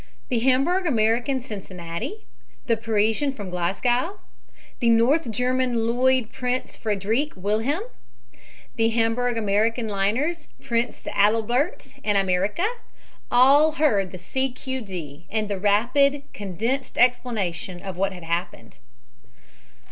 The Hamburg American Cincinnati, the Parisian from Glasgow, the North German Lloyd Prinz Friedrich Wilhelm, the Hamburg American liners Prinz Adelbert and Amerika, all heard the C. Q. D. and the rapid, condensed explanation of what had happened.